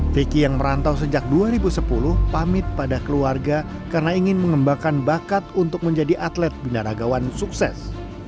vicky yang merantau sejak dua ribu sepuluh pamit pada keluarga karena ingin mengembangkan bakat untuk menjadi atlet binaragawan sukses